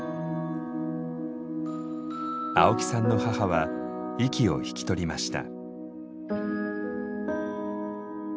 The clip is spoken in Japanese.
青木さんの母は息を引き取りました。